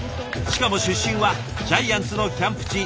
しかも出身はジャイアンツのキャンプ地